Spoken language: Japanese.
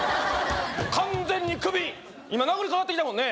完全にクビ今殴りかかってきたもんね